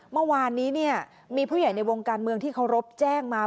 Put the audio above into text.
เมื่อวานนี้มีผู้ใหญ่ในวงการเมืองที่เคารพแจ้งมา